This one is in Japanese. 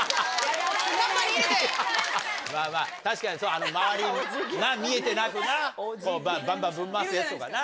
確かに周り見えてなくなバンバンぶん回すヤツとかな。